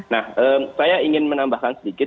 nah saya ingin menambahkan sedikit